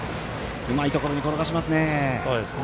うまいところに転がしますね。